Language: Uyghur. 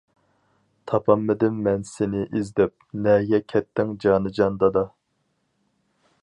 تاپالمىدىم مەن سېنى ئىزدەپ، نەگە كەتتىڭ جانىجان دادا.